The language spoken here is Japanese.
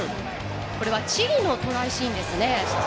これはチリのトライシーンですね。